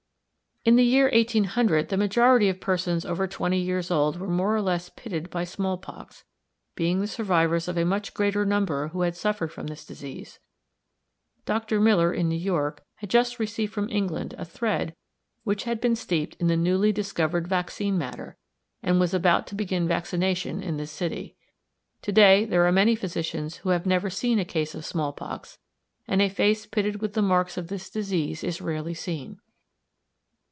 In the year 1800, the majority of persons over twenty years old were more or less pitted by small pox, being the survivors of a much greater number who had suffered from this disease. Dr. Miller in New York had just received from England a thread which had been steeped in the newly discovered vaccine matter, and was about to begin vaccination in this city. To day there are many physicians who have never seen a case of small pox, and a face pitted with the marks of this disease is rarely seen.